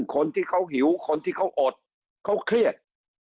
คนที่เขาหิวคนที่เขาอดเขาเครียด